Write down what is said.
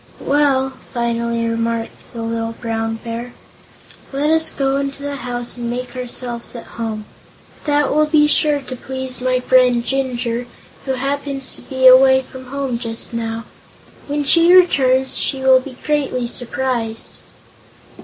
"Well," finally remarked the little Brown Bear, "let us go into the house and make ourselves at home. That will be sure to please my friend Jinjur, who happens to be away from home just now. When she returns, she will be greatly surprised."